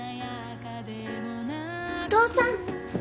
・お父さん。